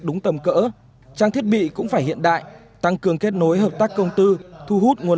đúng tầm cỡ trang thiết bị cũng phải hiện đại tăng cường kết nối hợp tác công tư thu hút nguồn